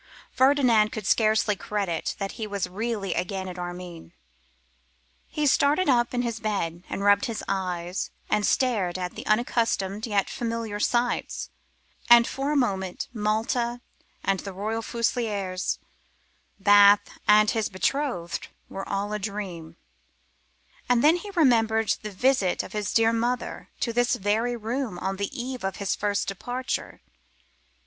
Ferdinand could scarcely credit that he was really again at Armine. He started up in his bed, and rubbed his eyes and stared at the unaccustomed, yet familiar sights, and for a moment Malta and the Royal Fusiliers, Bath and his betrothed, were all a dream; and then he remembered the visit of his dear mother to this very room on the eve of his first departure.